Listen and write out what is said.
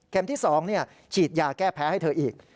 เข็มที่สองฉีดยาแก้แพ้ให้เธออีก